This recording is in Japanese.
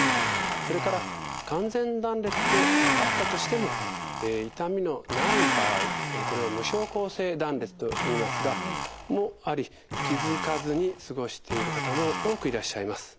それから完全断裂であったとしても痛みのない場合これを無症候性断裂といいますがもあり気付かずに過ごしている方も多くいらっしゃいます。